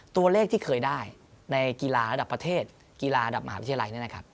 ตัวเลขที่เคยได้ในกีฬาระดับประเทศกีฬาระดับมหาวิทยาลัยเนี่ยนะครับ